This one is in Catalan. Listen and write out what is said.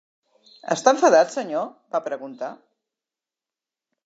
"Està enfadat, senyor?", va preguntar.